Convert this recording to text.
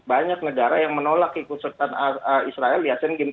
banyak negara yang menolak ikut serta israel di asian games